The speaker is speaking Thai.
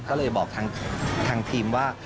ก็เลยบอกทางพิมพ์ว่า